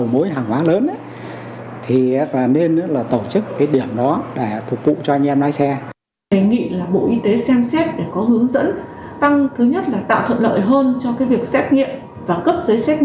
thứ hai nữa là nghiên cứu xem xét để tăng thời gian có hiệu lực của giấy xét nghiệm